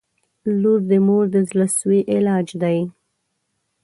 • لور د مور د زړسوي علاج دی.